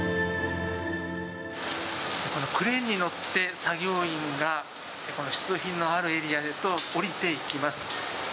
クレーンに乗って作業員がこの出土品のあるエリアへと下りていきます。